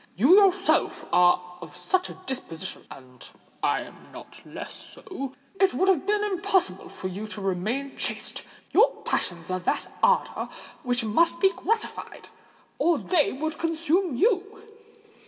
"You yourself are of such a disposition—and I am not less so. It would have been impossible for you to remain chaste: your passions are of that ardour which must be gratified—or they would consume you."